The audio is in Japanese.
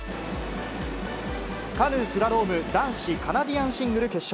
カヌースラローム男子カナディアンシングル決勝。